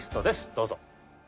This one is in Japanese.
どうぞ！